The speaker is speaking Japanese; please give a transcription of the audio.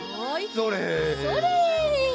それ！